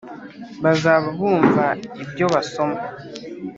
bazaba bumva ibyo basoma.”